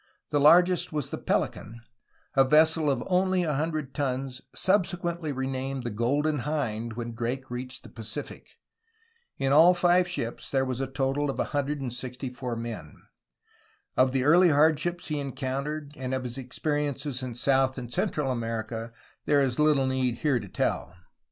The largest was the Pelican, a vessel of only a hundred tons, subsequently renamed the Golden Hind when Drake reached the Pacific. In all five ships there was a total of 164 men. Of the early hardships he encountered and of his experiences in South and Central America there is little need here to tell.